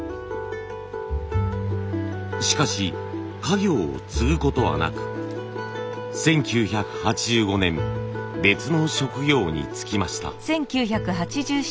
しかし家業を継ぐことはなく１９８５年別の職業に就きました。